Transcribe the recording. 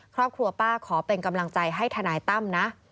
ครอบครัวป้าขอเป็นกำลังใจให้ทนายตั้มนะ